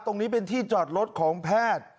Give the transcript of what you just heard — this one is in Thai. ตรงนี้เป็นที่จอดรถของแพทย์